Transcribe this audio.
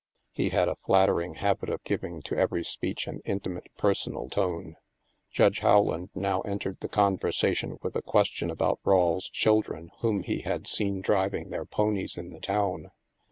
He had a flat tering habit of giving to every speech an intimate personal tone. Judge Howland now entered the conversation with a question about Rawle's children whom he had seen driving their ponies in the town.